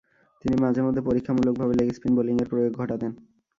তিনি মাঝে-মধ্যে পরীক্ষামূলকভাবে লেগ স্পিন বোলিংয়ের প্রয়োগ ঘটাতেন।